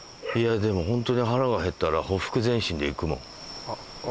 でもホントに腹が減ったらほふく前進で行くもん。